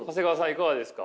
いかがですか？